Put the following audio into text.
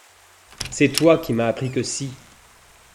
C'est toi qui m'a appris que si.